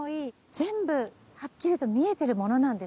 全部はっきりと見えてるものなんですか？